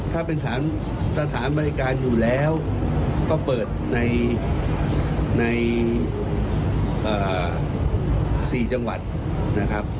ถ้าเป็นสถานบริการอยู่แล้วก็เปิดใน๔จังหวัดนะครับ